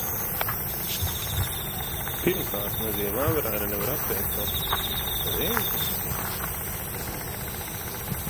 Pirmkārt, mazie vāverēni nevar apēst veselu riekstu, pareizi?